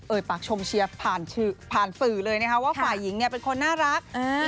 ปากชมเชียร์ผ่านสื่อเลยนะคะว่าฝ่ายหญิงเนี่ยเป็นคนน่ารัก